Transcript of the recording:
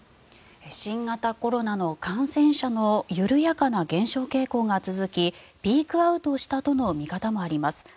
新型コロナの感染者の緩やかな減少傾向が続きピークアウトしたとの見方もあります。